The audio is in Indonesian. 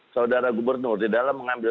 saudara gubernur di dalam mengambil